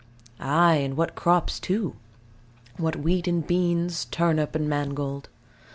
Ay, and what crops, too: what wheat and beans, turnips and mangold.